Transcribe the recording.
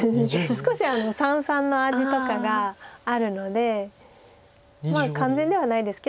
少し三々の味とかがあるのでまあ完全ではないですけどほぼ。